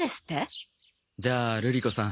じゃあルリ子さん